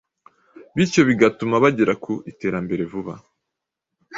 bityo bigatuma bagera ku iterambere vuba.